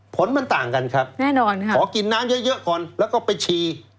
ผลมันต่างกันครับขอกินน้ำเยอะก่อนแล้วก็ไปชี